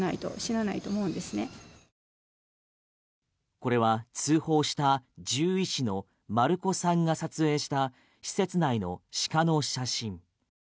これは通報した獣医師の丸子さんが撮影した施設内の鹿の写真。